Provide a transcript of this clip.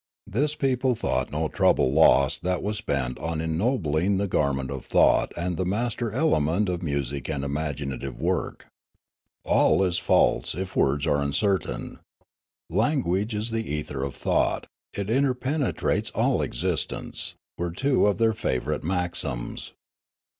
This people thought no trouble lost that was spent on ennobling the garment of thought and the master element of music and imaginative work. " All is false, if words are uncertain," " Language is the ether of thought ; it interpenetrates all existence," were two of their favourite maxims.